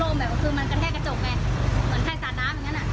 โร่มแบบว่ามันกระแทกกระจกไงเหมือนใครสาดน้ำอย่างนั้น